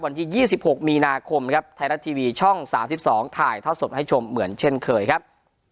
วันที่๒๖มีนาคมครับไทยรัฐทีวีช่อง๓๒ถ่ายทอดสดให้ชมเหมือนเช่นเคยครับ